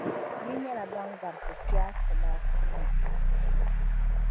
Yi nyɛla ban gariti kpe Asibaasi kam.